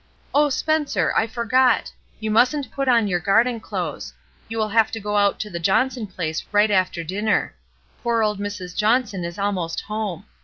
Oh, Spencer ! I forgot ; you mustn't put on your garden clothes; you will have to go out to the Johnson place right after dinner. Poor old Mrs. Johnson is almost home.